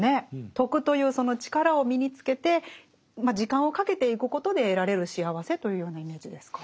徳というその力を身につけて時間をかけていくことで得られる幸せというようなイメージですか？